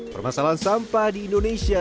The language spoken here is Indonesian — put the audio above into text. permasalahan sampah di indonesia